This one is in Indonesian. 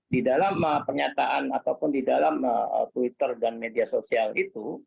di dalam pernyataan ataupun di dalam twitter dan media sosial itu